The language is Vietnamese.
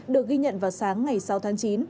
được ghi nhận vào sáng ngày sáu tháng chín